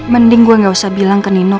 mending gue gak usah bilang ke nino